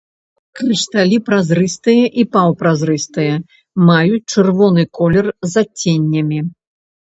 Крышталі празрыстыя і паўпразрыстыя, маюць чырвоны колер з адценнямі.